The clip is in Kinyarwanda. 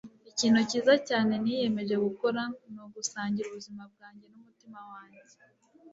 ikintu cyiza cyane niyemeje gukora ni ugusangira ubuzima bwanjye n'umutima wanjye